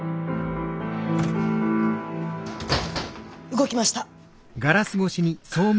動きました！